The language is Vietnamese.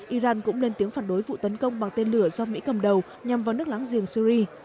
iran cũng lên tiếng phản đối vụ tấn công bằng tên lửa do mỹ cầm đầu nhằm vào nước láng giềng syri